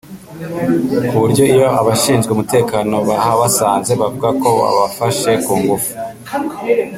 ku buryo iyo abashinzwe umutekano bahabasanze bavuga ko babafashe ku ngufu